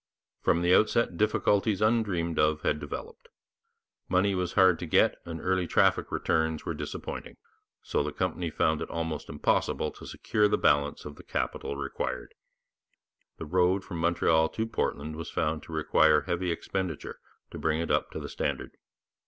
From the outset difficulties undreamed of had developed. Money was hard to get and early traffic returns were disappointing, so that the company found it almost impossible to secure the balance of the capital required. The road from Montreal to Portland was found to require heavy expenditure to bring it up to the standard.